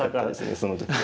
その時は。